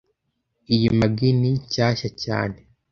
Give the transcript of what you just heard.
Iyi magi ni shyashya cyane